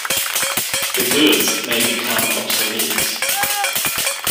The goods may become obsolete.